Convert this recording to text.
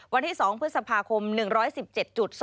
วันที่๒พฤษภาคม๑๑๗๒